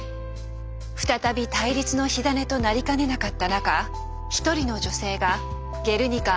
再び対立の火種となりかねなかった中１人の女性が「ゲルニカ」